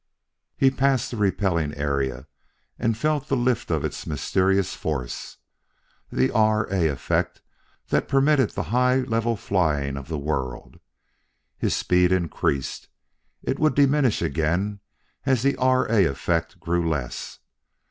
He passed the repelling area and felt the lift of its mysterious force the "R. A. Effect" that permitted the high level flying of the world. His speed increased. It would diminish again as the R. A. Effect grew less.